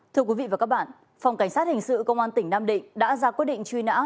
thưa quý vị và các bạn phòng cảnh sát hình sự công an tỉnh nam định đã ra quyết định truy nã